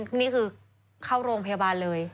นี่คือเข้าโรงพยาบาลเลย